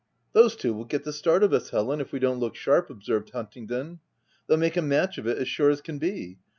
" Those two will get the start of us, Helen, if we don't look sharp," observed Huntingdon. " They'll make a match of it, as sure as can be.